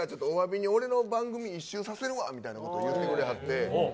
俺の番組一周させるわみたいなことを言ってくれはって。